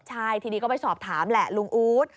ใช่ทีนี้ก็ไปสอบถามแหละลุงอู๊ด